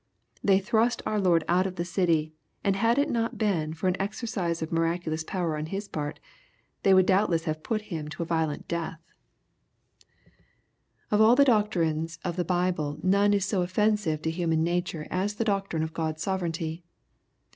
They thrust our Lord out of their cTEyJ^nd had it not been for an exercise of miraculous power on His part, they would doubtless have put Him to a violent death. 6 122 BXPOSITOBT THOUGHTS. Of all the doctrines of the Bible none is so offensive to human nature as the doctrine of God's sovereignty.